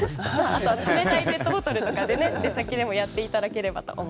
冷たいペットボトルとかで出先でやっていただければと。